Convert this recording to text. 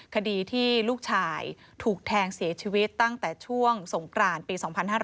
คดีที่ลูกชายถูกแทงเสียชีวิตตั้งแต่ช่วงสงกรานปี๒๕๕๙